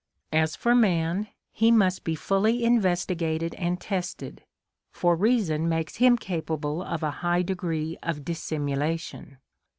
As for man, he must be fully investigated and tested, for reason makes him capable of a high degree of dissimulation.